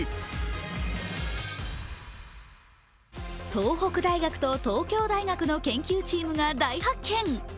東北大学と東京大学の研究チームが大発見！